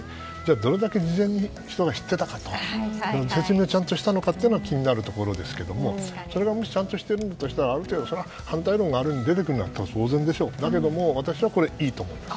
どれだけ事前に人が知っていたかと説明はちゃんとしたのかというのは気になりますけどそれがもしちゃんとしてるんだとしたらある程度反対論が出てくるのは当然ですが私はいいと思います。